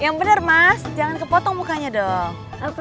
yang benar mas jangan kepotong mukanya dong